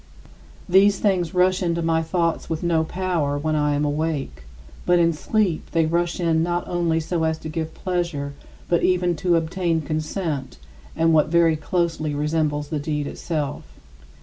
These things rush into my thoughts with no power when I am awake; but in sleep they rush in not only so as to give pleasure, but even to obtain consent and what very closely resembles the deed itself.